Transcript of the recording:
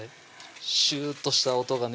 シューッとした音がね